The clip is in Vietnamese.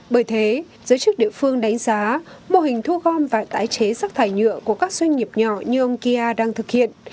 bởi thế giới chức địa phương đánh giá mô hình thu gom và tái chế rác thải nhựa của các doanh nghiệp nhỏ như ông kia đang thực hiện